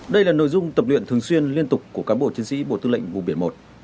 đây là nội dung tập luyện thường xuyên liên tục của cán bộ chiến sĩ bộ tư lệnh vùng biển một